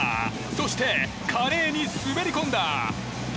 そして、華麗に滑り込んだ！